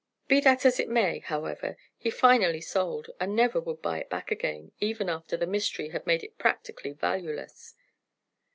Be that as it may, however, he finally sold, and never would buy it back again, even after the mystery had made it practically valueless.